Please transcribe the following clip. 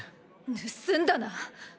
盗んだな！